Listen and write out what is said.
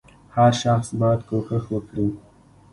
• هر شخص باید کوښښ وکړي.